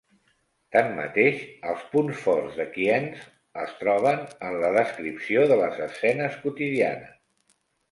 Tanmateix, els punts forts de Kienzl es troben en la descripció de les escenes quotidianes.